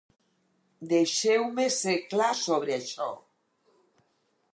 Deixeu-me ser clar sobre això.